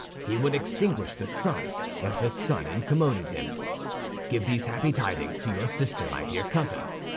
He would extinguish the sun if the sun incommoded him. Give these happy tidings to your sister, my dear cousin.